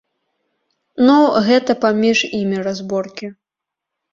Ну, гэта паміж імі разборкі.